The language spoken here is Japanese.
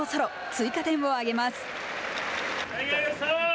追加点を挙げます。